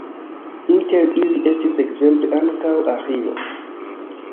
Inter ili estis ekzemple ankaŭ Aĥilo.